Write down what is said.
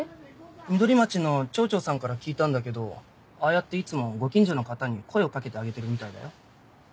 緑町の町長さんから聞いたんだけどああやっていつもご近所の方に声をかけてあげてるみたいだよ。